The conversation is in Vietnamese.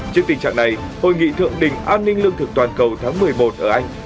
trước tình trạng này hội nghị thượng đỉnh an ninh lương thực toàn cầu tháng một mươi một ở anh